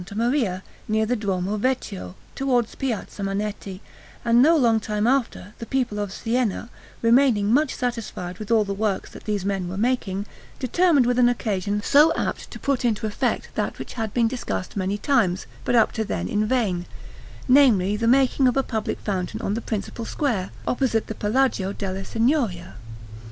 Maria, near the Duomo Vecchio, towards Piazza Manetti; and no long time after, the people of Siena, remaining much satisfied with all the works that these men were making, determined with an occasion so apt to put into effect that which had been discussed many times, but up to then in vain namely, the making of a public fountain on the principal square, opposite the Palagio della Signoria.